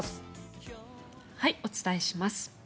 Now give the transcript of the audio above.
お伝えします。